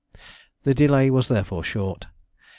The delay was therefore short.